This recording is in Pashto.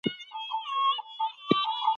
ساعت اوس په منظمه توګه چلېږي.